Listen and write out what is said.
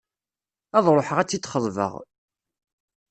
Ad ruḥeɣ ad tt-id-xeḍbeɣ.